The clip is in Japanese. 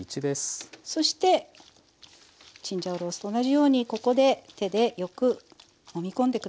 そしてチンジャオロースーと同じようにここで手でよくもみ込んで下さい。